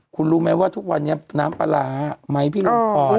คุณรู้ไหมว่าทุกวันนี้น้ำปลาร้าไหมพี่ลุงพร